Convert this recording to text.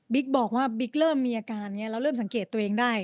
บอกว่าบิ๊กเริ่มมีอาการอย่างนี้เราเริ่มสังเกตตัวเองได้